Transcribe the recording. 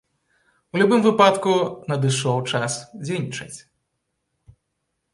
У любым выпадку, надышоў час дзейнічаць!